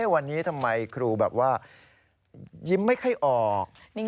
วันนี้ทำไมครูแบบว่ายิ้มไม่ค่อยออก